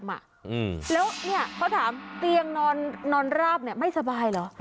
แล้วเขาถามเตียงนอนราบไม่สบายเหรอ